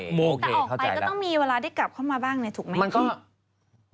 แต่ก็ต้องมีเวลาที่กลับเข้ามาบ้างเนี่ยถูกไหม